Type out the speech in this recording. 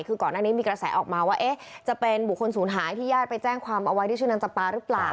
คือก่อนหน้านี้มีกระแสออกมาว่าจะเป็นบุคคลศูนย์หายที่ญาติไปแจ้งความเอาไว้ที่ชื่อนางจำปาหรือเปล่า